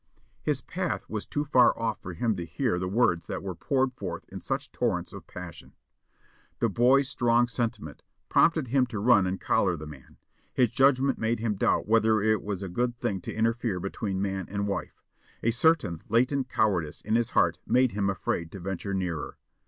His path was too far off for him to hear the words that were poured forth in such torrents of passion. The boy's strong sentiment prompted him to run and collar the man; his judgment made him doubt whether it was a good thing to interfere between man and wife; a certain latent cowardice in his heart made him afraid to venture nearer.